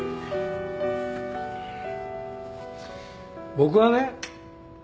僕はね